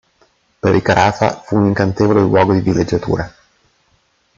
Per i Carafa fu un incantevole luogo di villeggiatura.